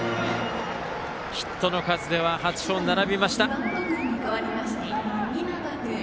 ヒットの数では８本並びました。